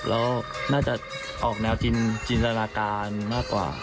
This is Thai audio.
แล้วน่าจะออกแนวจินตนาการมากกว่า